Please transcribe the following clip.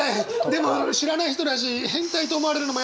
でも知らない人だし変態と思われるのも嫌だし。